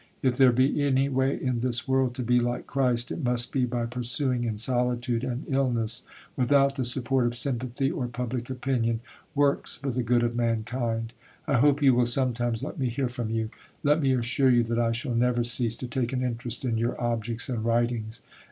If there be any way in this world to be like Christ it must be by pursuing in solitude and illness, without the support of sympathy or public opinion, works for the good of mankind. I hope you will sometimes let me hear from you. Let me assure you that I shall never cease to take an interest in your objects and writings.